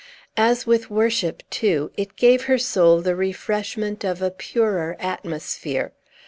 As with worship, too, it gave her soul the refreshment of a purer atmosphere.